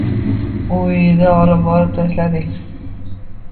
U uyiga olib borib tashladik.